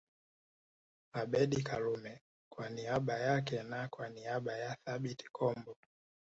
Abeid Karume kwa niaba yake na kwa niaba ya Thabit Kombo